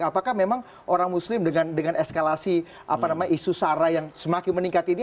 apakah memang orang muslim dengan eskalasi isu sara yang semakin meningkat ini